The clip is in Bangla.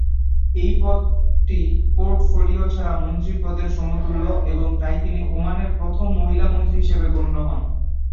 এই পদটি পোর্টফোলিও ছাড়া মন্ত্রীর পদের সমতুল্য এবং তাই তিনি ওমানের প্রথম মহিলা মন্ত্রী হিসাবে গণ্য হন।